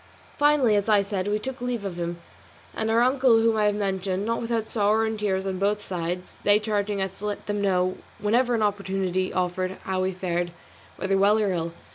Finally, as I said, we took leave of him, and of our uncle whom I have mentioned, not without sorrow and tears on both sides, they charging us to let them know whenever an opportunity offered how we fared, whether well or ill.